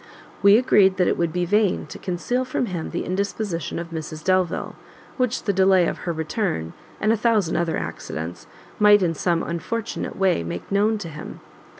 We agreed that it would be vain to conceal from him the indisposition of Mrs Delvile, which the delay of her return, and a thousand other accidents, might in some unfortunate way make known to him.